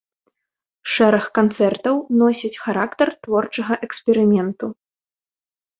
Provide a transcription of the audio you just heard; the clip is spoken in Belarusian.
Шэраг канцэртаў носяць характар творчага эксперыменту.